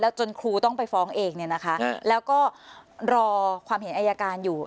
จนครูต้องไปฟ้องเองเนี่ยนะคะแล้วก็รอความเห็นอายการอยู่